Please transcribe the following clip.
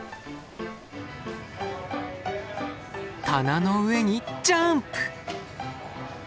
棚の上にジャンプ！